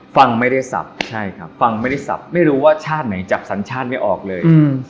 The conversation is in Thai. ฟังไม่ได้สับใช่ครับฟังไม่ได้สับไม่รู้ว่าชาติไหนจับสัญชาติไม่ออกเลย